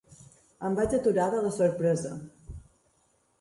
Em vaig aturar de la sorpresa.